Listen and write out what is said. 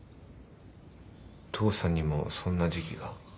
父さんにもそんな時期が。